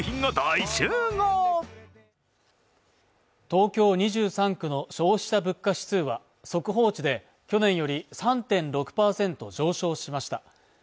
東京２３区の消費者物価指数は速報値で去年より３．６％上昇しました